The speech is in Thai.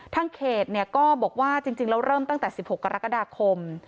ทั้งเขตเนี่ยก็บอกว่าจริงจริงแล้วเริ่มตั้งแต่สิบหกกรกฎาคม